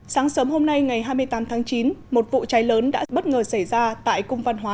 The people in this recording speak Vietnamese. sáng sớm hôm nay ngày hai mươi tám tháng chín một vụ cháy lớn đã bất ngờ xảy ra tại cung văn hóa